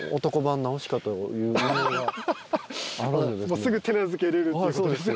すぐ手なずけれるっていうことですね。